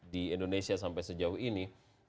di indonesia sampai sejauh ini